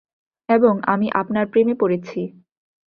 এবং আমি আপনার প্রেমে পড়েছি।